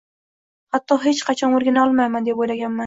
Hatto hech qachon o‘rgana olmayman, deb o‘ylaganman.